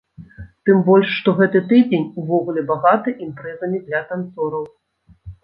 Тым больш што гэты тыдзень увогуле багаты імпрэзамі для танцораў.